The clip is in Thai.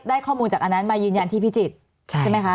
ข้อมูลจากอันนั้นมายืนยันที่พิจิตรใช่ไหมคะ